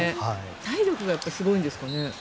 体力がすごいんですかね。